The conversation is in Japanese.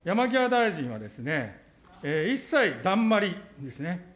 その前までは、山際大臣は一切、だんまりですね。